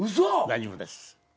大丈夫です。